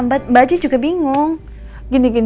mbak aja juga bingung